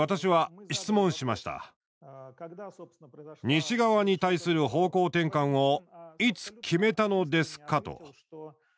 「西側に対する方向転換をいつ決めたのですか？」と。